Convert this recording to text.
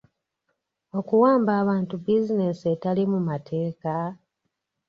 Okuwamba abantu bizinensi etali mu mateeka?